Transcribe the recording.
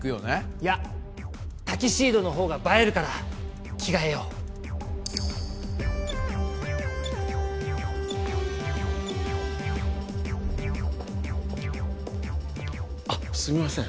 いやタキシードの方が映えるから着あっすみません。